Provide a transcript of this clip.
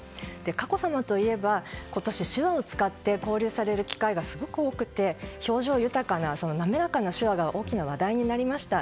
佳子さまといえば今年、手話を使って交流される機会がすごく多くて、表情豊かな滑らかな手話が大きな話題になりました。